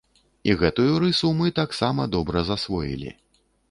І гэтую рысу мы таксама добра засвоілі.